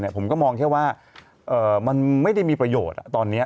ผมก็มองแค่ว่ามันไม่ได้มีประโยชน์ตอนนี้